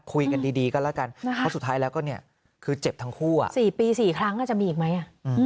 พอสุดท้ายแล้วก็เนี่ยคือเจ็บทั้งคู่สี่ปีสี่ครั้งก็จะมีอีกไหม